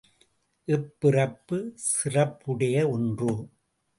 இப்பிறப்பு, சிறப்புடைய ஒன்று.